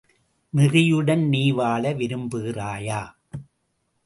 நெறியுடன் நீ வாழ விரும்புகிறாயா?